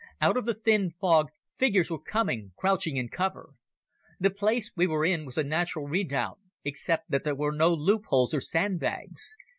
Out of the thin fog figures were coming, crouching in cover. The place we were in was a natural redoubt, except that there were no loopholes or sandbags.